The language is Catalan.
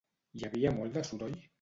Hi havia molt de soroll?